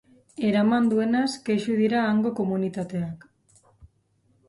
Eraman duenaz kexu dira hango komunitateak.